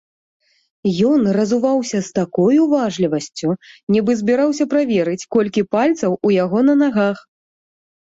Ён разуваўся з такой уважлівасцю, нібы збіраўся праверыць, колькі пальцаў у яго на нагах.